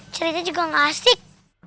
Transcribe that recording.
cerita juga gak asik